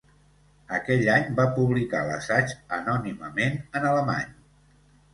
Aquell any va publicar l'assaig anònimament en Alemany.